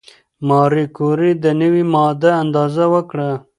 ماري کوري د نوې ماده اندازه وکړه.